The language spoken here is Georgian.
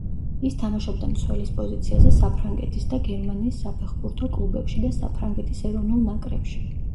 ის თამაშობდა მცველის პოზიციაზე საფრანგეთის და გერმანიის საფეხბურთო კლუბებში და საფრანგეთის ეროვნულ ნაკრებში.